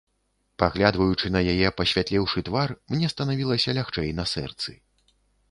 Паглядваючы на яе пасвятлеўшы твар, мне станавілася лягчэй на сэрцы.